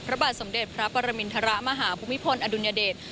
พระบาทสมเด็จพระปรมินทรมาหาภูมิพลอดุลยเดช